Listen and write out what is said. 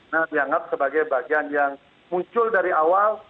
nah dianggap sebagai bagian yang muncul dari awal